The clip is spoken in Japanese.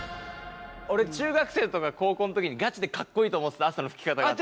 俺中学生とか高校の時にガチでかっこいいと思ってた汗のふき方があって。